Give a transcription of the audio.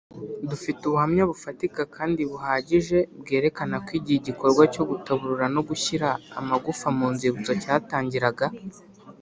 Dufite ubuhamya bufatika kandi buhagije bwerekana ko igihe igikorwa cyo gutaburura no gushyira amagufa mu nzibutso cyatangiraga